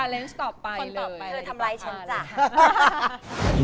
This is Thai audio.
เจอเขาตั้งแต่เกิดการขอไทย